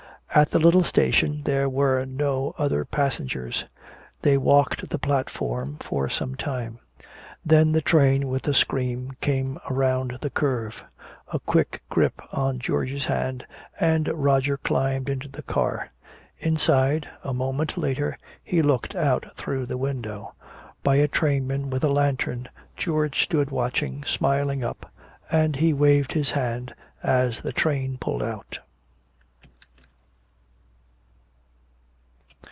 At the little station, there were no other passengers. They walked the platform for some time. Then the train with a scream came around the curve. A quick grip on George's hand, and Roger climbed into the car. Inside, a moment later, he looked out through the window. By a trainman with a lantern, George stood watching, smiling up, and he waved his hand as the train pulled out.